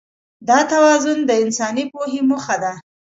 دا توازن د انساني پوهې موخه ده.